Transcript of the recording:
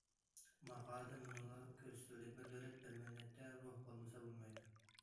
ماقالىدە مۇنۇلار كۆرسىتىلدى: بىر دۆلەت، بىر مىللەتتە روھ بولمىسا بولمايدۇ.